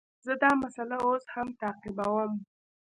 زه دا مسئله اوس هم تعقیبوم.